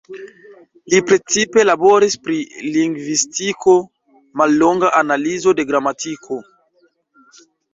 Li precipe laboris pri lingvistiko, "Mallonga analizo de gramatiko.